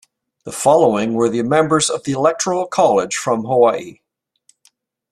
The following were the members of the Electoral College from Hawaii.